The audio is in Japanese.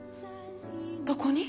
どこに？